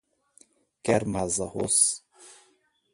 Quer mais arroz?